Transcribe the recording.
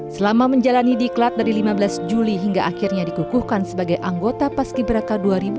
selama menjalani diklat dari lima belas juli hingga akhirnya dikukuhkan sebagai anggota paski braka dua ribu dua puluh